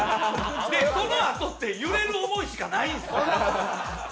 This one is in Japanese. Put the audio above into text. そのあとって「揺れる想い」しかないんですよ